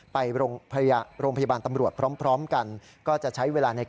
ไปโรงพยาบาลตำรวจพร้อมกัน